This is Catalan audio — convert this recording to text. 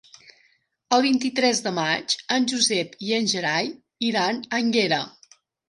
El vint-i-tres de maig en Josep i en Gerai iran a Énguera.